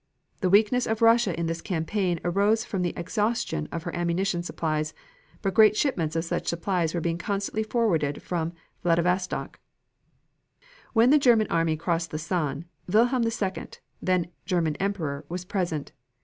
The weakness of Russia in this campaign arose from the exhaustion of her ammunition supplies, but great shipments of such supplies were being constantly forwarded from Vladivostock. When the German army crossed the San, Wilhelm II, then German Emperor, was present.